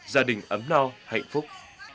gia đình ấm no hạnh phúc